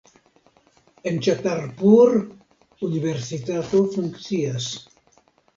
En Ĉatarpur universitato funkcias.